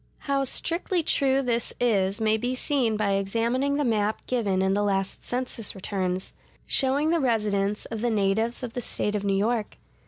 How strictly true this is may be seen by examining the map given in the last census returns,(142) showing the residence of the natives of the State of New York.